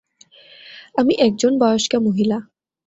আমি একজন বয়স্কা মহিলা।